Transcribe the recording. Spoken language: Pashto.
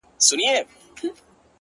د فرهادي فکر څښتن تاته په تا وايي’